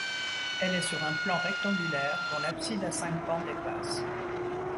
Elle est sur un plan rectangulaire dont l'abside à cinq pans dépasse.